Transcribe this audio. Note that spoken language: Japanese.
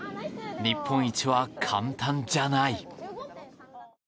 日本一は簡単じゃない。